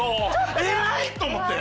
偉いと思って。